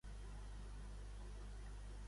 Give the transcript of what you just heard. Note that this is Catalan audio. Què creia que l'aguaitava?